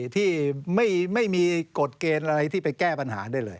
ที่ไม่มีกฎเกณฑ์อะไรที่ไปแก้ปัญหาได้เลย